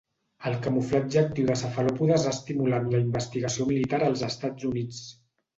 El camuflatge actiu de cefalòpodes ha estimulat la investigació militar als Estats Units.